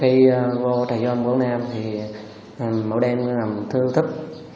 khi vô trại giam quốc nam thì mẫu đen làm thư thấp